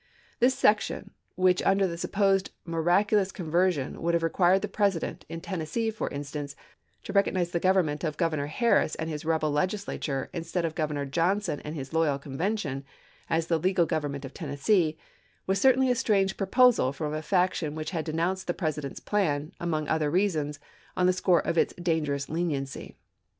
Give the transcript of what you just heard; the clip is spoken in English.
v&l i>. 9k This section, which under the supposed miraculous conversion would have required the President, in Tennessee for instance, to recognize the Govern ment of Governor Harris and his rebel Legislature, instead of Governor Johnson and his loyal Conven tion, as the legal Government of Tennessee, was certainly a strange proposal from a faction which had denounced the President's plan, among other reasons, on the score of its dangerous leniency.